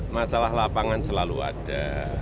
masalah lapangan selalu ada